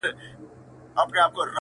o خو اوس دي گراني دا درسونه سخت كړل.